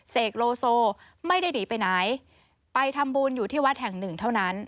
เสกโลโซไม่ได้หนีไปไหนไปทำบุญอยู่ที่วัดแห่งหนึ่งเท่านั้น